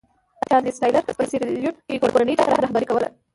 چارلېز ټایلر په سیریلیون کې کورنۍ جګړه رهبري کوله.